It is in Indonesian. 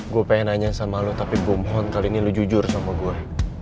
gue pengen nanya sama lo tapi gue mohon kali ini lo jujur sama gue